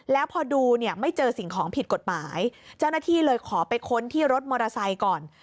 แล้วพอดูเนี่ยไม่เจอสิ่งของผิดกฎหมายเจ้าหน้าที่เลยขอไปค้นที่รถมอเตอร์ไซค์ก่อน